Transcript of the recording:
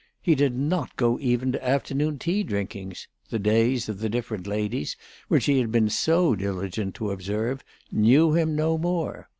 He did not go even to afternoon tea drinkings; the "days" of the different ladies, which he had been so diligent to observe, knew him no more.